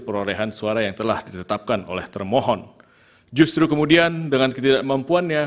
perolehan suara yang telah ditetapkan oleh termohon justru kemudian dengan ketidakmampuannya